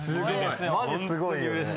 マジすごいよね。